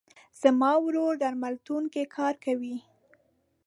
زما ورور درملتون کې کار کوي.